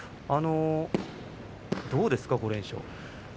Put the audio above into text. どうですか？